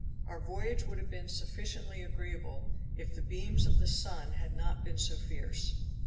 Our voyage would have been sufficiently agreeable, if the beams of the sun had not been so fierce.